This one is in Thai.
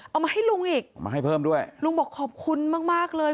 เอามาให้ลุงอีกมาให้เพิ่มด้วยลุงบอกขอบคุณมากมากเลย